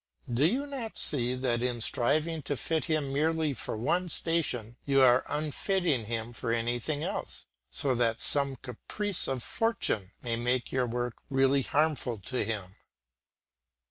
Do you not see that in striving to fit him merely for one station, you are unfitting him for anything else, so that some caprice of Fortune may make your work really harmful to him?